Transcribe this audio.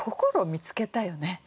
見つけたよね？